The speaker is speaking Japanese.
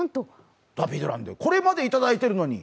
これまでいただいているのに。